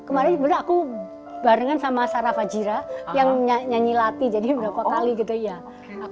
karena aku barengan sama sarah fajira yang nyanyi lati jadi berapa kali gitu ya